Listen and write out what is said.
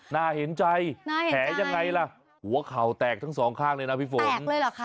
น่าเห็นใจแผลยังไงล่ะหัวเข่าแตกทั้งสองข้างเลยนะพี่ฝนเลยเหรอคะ